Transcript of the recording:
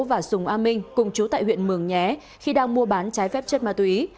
và sùng a minh cùng chú tại huyện mường nhé khi đang mua bán trái phép chất ma túy